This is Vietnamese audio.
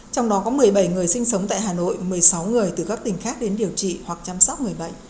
trong đó có một mươi bảy người sinh sống tại hà nội một mươi sáu người từ các tỉnh khác đến điều trị hoặc chăm sóc người bệnh